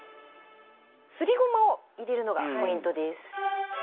すりごまを入れるのがポイントです。